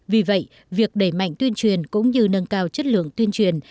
vì vậy việc đẩy mạnh tuyên truyền cũng như nâng cao chất lượng tuyên truyền